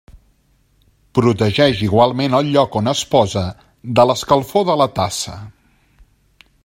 Protegeix igualment el lloc on es posa de l'escalfor de la tassa.